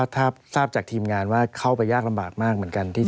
ถ้าทราบจากทีมงานว่าเข้าไปยากลำบากมากเหมือนกัน